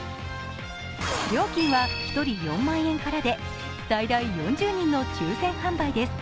料金は１人４万円からで最大４０人の抽選販売です。